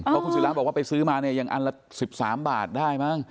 เพราะคุณศิราบอกว่าไปซื้อมาเนี่ยยังอันละ๑๓บาทได้มั้ง